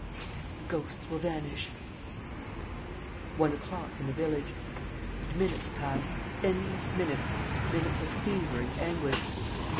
"Then the ghosts will vanish. ..."One o'clock, in the village. ... And minutes passed, endless minutes, minutes of fever and anguish.